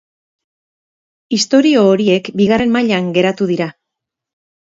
Istorio horiek bigarren mailan geratu dira.